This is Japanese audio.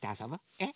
えっ？